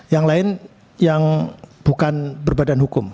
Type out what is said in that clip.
yang lain yang bukan berbadan hukum